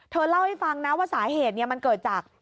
เล่าให้ฟังนะว่าสาเหตุมันเกิดจาก